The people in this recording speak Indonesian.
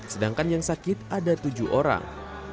sedangkan yang sakit ada tujuh orang